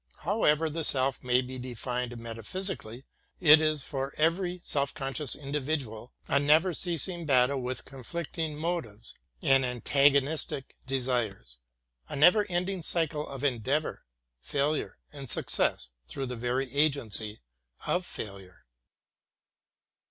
How ever the self may be defined metaphysically, it is for every self conscious individual a never ceasing battle with con flicting motives and antagonistic desires — a never ending cycle of endeavor, failure, and success through the very agency of failure.